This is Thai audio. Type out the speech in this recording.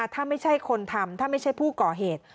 ถ้าไม่ใช่คนทำถ้าไม่ใช่ผู้ก่อเหตุ